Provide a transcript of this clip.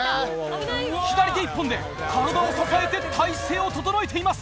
左手１本で体を支えて体勢を整えています。